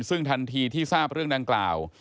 ซึ่งทันทีที่ทราบเรื่องดังกล่าว